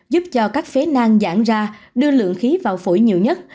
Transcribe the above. giúp cho các phế nang giãn ra đưa lượng khí vào phổi nhiều nhất